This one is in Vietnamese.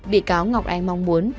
bị cáo ngọc anh mong muốn